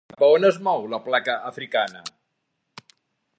Cap a on es mou la placa africana?